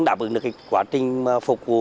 nó đã bừng được cái quá trình phục vụ